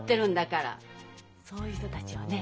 そういう人たちをね